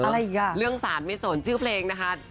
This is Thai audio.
แล้วล่ะหลังหากเรื่องสารไม่สนชื่อเพลงนะคะ